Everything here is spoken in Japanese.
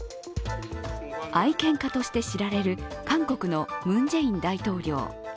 愛犬家として知られる韓国のムン・ジェイン大統領。